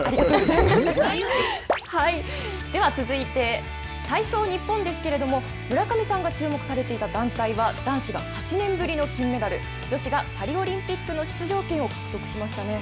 では続いて体操ニッポンですけれども、村上さんが注目されていた団体は、男子が８年ぶりの金メダル。女子がパリオリンピックの出場権を獲得しましたよね。